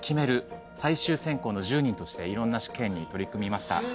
最終選考の１０人としていろんな試験に取り組みました。